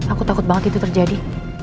aku takut banget itu terjadi